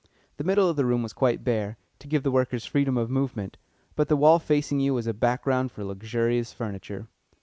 The middle of the room was quite bare, to give the workers freedom of movement, but the wall facing you was a background for luxurious furniture.